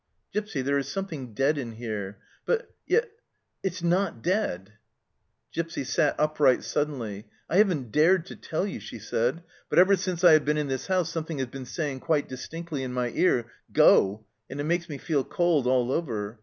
" Gipsy, there is something dead in here ; but yet it's not dead " Gipsy sat upright suddenly. " I haven't dared to tell you," she said. " But ever since I have been in this house something has been saying quite dis tinctly in my ear, ' Go,' and it makes me feel cold all over.